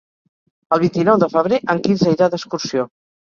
El vint-i-nou de febrer en Quirze irà d'excursió.